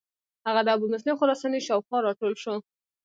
هغه د ابومسلم خراساني شاو خوا را ټول شو.